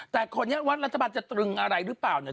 แต่คนนี้ว่ารัฐบาลจะตรึงอะไรหรือเปล่าเนี่ย